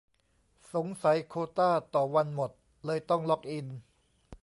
สงสัยโควตาต่อวันหมด เลยต้องล็อกอิน